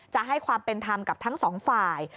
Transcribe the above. จะให้ความเป็นธรรมกับทั้งสองฝ่าย